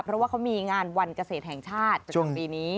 เพราะว่าเขามีงานวันเกษตรแห่งชาติช่วงปีนี้